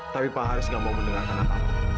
tapi pak haris gak mau mendengarkan apa apa